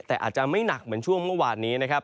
แต่อาจจะไม่หนักเหมือนช่วงเมื่อวานนี้นะครับ